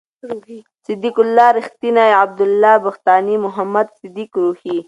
صد یق الله رېښتین، عبد الله بختاني، محمد صدیق روهي